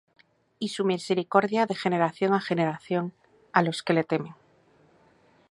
Y su misericordia de generación á generación A los que le temen.